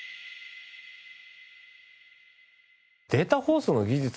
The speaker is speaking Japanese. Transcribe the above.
データ放送の技術